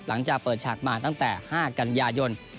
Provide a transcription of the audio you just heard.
หลังจากเปิดฉากมาตั้งแต่๕กันยายน